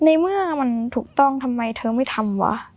ในเมื่อมันถูกต้องทำไมเธอไม่ทำวะ